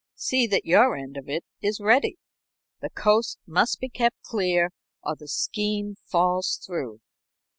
"See that your end of it is ready. The coast must be kept clear or the scheme falls through."